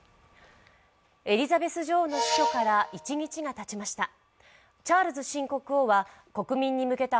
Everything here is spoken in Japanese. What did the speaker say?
エリザベス女王の死去から一日がたちました。